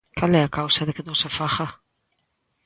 ¿Cal é a causa de que non se faga?